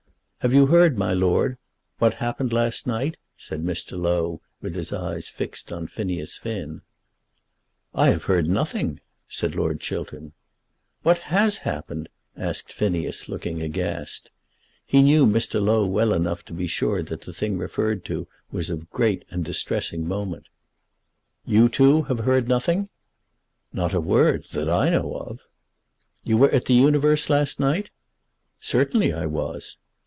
"Have you heard, my Lord, what happened last night?" said Mr. Low, with his eyes fixed on Phineas Finn. "I have heard nothing," said Lord Chiltern. "What has happened?" asked Phineas, looking aghast. He knew Mr. Low well enough to be sure that the thing referred to was of great and distressing moment. "You, too, have heard nothing?" "Not a word that I know of." "You were at The Universe last night?" "Certainly I was."